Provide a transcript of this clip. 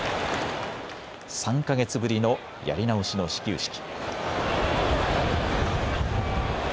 ３か月ぶりのやり直しの始球式。